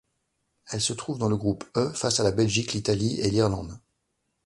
Elle se trouve dans le Groupe E face à la Belgique, l'Italie et l'Irlande.